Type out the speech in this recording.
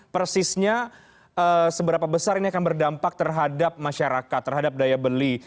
persisnya seberapa besar ini akan berdampak terhadap masyarakat terhadap daya beli